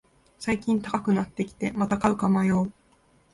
最近高くなってきて、また買うか迷う